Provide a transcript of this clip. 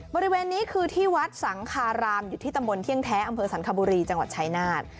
บริเวณนี้คือที่วัดสังคารามอยู่ที่ตำบลเที่ยงแท้อำเภอสันคบุรีจังหวัดชายนาฏ